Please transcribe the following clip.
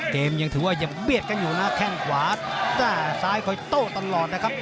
ยังถือว่ายังเบียดกันอยู่นะแข้งขวาซ้ายคอยโต้ตลอดนะครับ